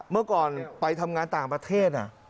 เมื่อก่อนไปทำงานต่างประเทศ